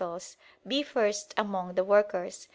"be first among the workers."